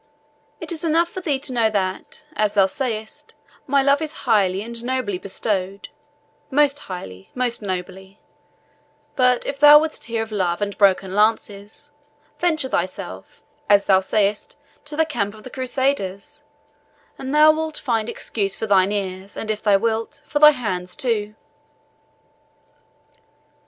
It is enough for thee to know that, as thou sayest, my love is highly and nobly bestowed most highly most nobly; but if thou wouldst hear of love and broken lances, venture thyself, as thou sayest, to the camp of the Crusaders, and thou wilt find exercise for thine ears, and, if thou wilt, for thy hands too."